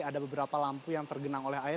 ada beberapa lampu yang tergenang oleh air